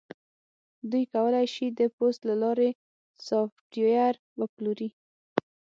دوی کولی شي د پوست له لارې سافټویر وپلوري